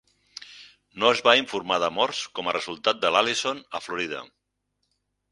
No es va informar de morts com a resultat de l'Allison a Florida.